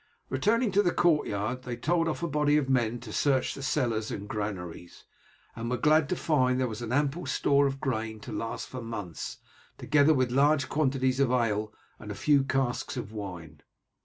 Returning to the courtyard, they told off a body of men to search the cellars and granaries, and were glad to find that there was an ample store of grain to last for months, together with large quantities of ale and a few casks of wine.